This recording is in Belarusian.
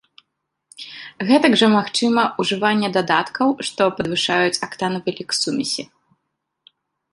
Гэтак жа магчыма ўжыванне дадаткаў, што падвышаюць актанавы лік сумесі.